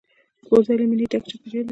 ښوونځی له مینې ډک چاپېریال لري